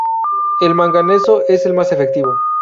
El manganeso es el más efectivo.